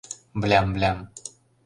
Блям-блям!